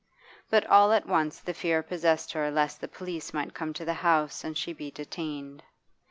But all at once the fear possessed her lest the police might come to the house and she be detained.